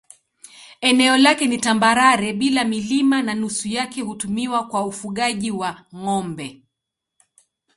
Eneo lake ni tambarare bila milima na nusu yake hutumiwa kwa ufugaji wa ng'ombe.